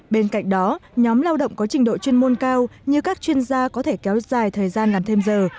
bên cạnh đó nhóm lao động có trình độ chuyên môn cao như các chuyên gia có thể kéo dài thời gian làm thêm giờ